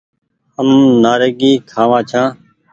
هم نآريگي کآوآن ڇآن ۔